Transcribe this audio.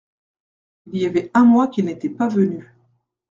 Il y avait un mois qu’il n’était pas venu.